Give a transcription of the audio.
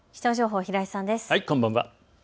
こんばんは。